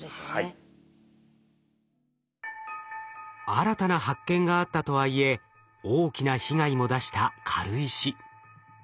新たな発見があったとはいえ大きな被害も出した軽石。